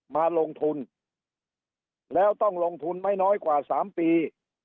มาลงทุนแล้วต้องลงทุนไม่น้อยกว่า๓ปี